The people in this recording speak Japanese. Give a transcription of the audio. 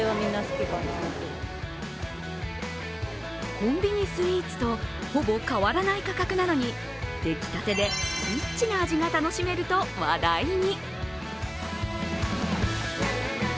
コンビニスイーツとほぼ変わらない価格なのに出来たてで、リッチな味が楽しめると話題に。